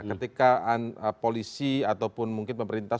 ketika polisi ataupun mungkin pemerintah